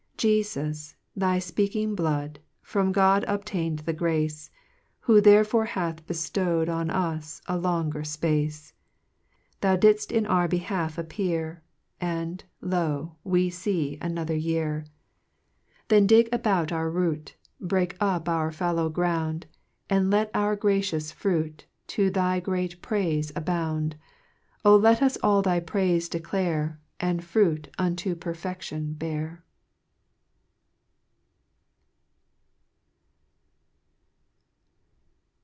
4 Jefus, thy fpea king blood, From God obtain'd the grace, Who therefore hath beliow'd On us a longer (pace ; Thou dittft in our behalf appear, And, lo, we fee another year! 5 Then ( 24 ) 5 Then dig about our root, Break up our fallow ground, And let our gracious fruit To thy great praife abound; O let us all thy praife declare, And fruit unto perfection bear.